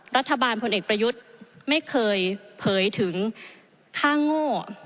พลเอกประยุทธ์ไม่เคยเผยถึงค่าโง่